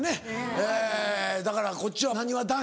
えぇだからこっちはなにわ男子。